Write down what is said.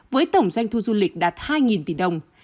với tổng doanh thu du lịch đạt hai tỷ đồng